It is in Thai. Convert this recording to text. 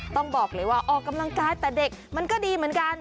ต้องบอกเลยว่าออกกำลังกายแต่เด็กมันก็ดีเหมือนกัน